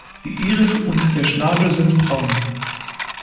Die Iris und der Schnabel sind braun.